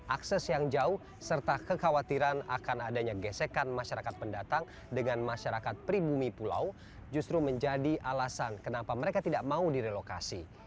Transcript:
akses yang jauh serta kekhawatiran akan adanya gesekan masyarakat pendatang dengan masyarakat pribumi pulau justru menjadi alasan kenapa mereka tidak mau direlokasi